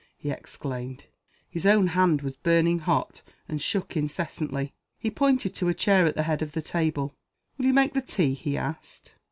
he exclaimed. His own hand was burning hot, and shook incessantly. He pointed to a chair at the head of the table. "Will you make the tea?" he asked.